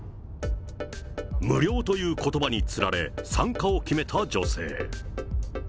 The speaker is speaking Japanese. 無料ということばにつられ、参加を決めた女性。